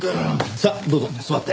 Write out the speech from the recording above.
さあどうぞ座って。